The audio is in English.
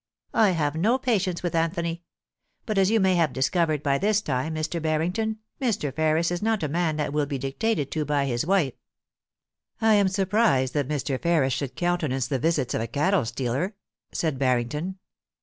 I have no patience with Anthony ; but as you may have discovered by this time, Mr. Bartington, Mr. Ferris is not a man that will be dictated to by his wife.' * I am surprised that Mr. Ferris should countenance the visits of a cattle stealer,' said Harrington.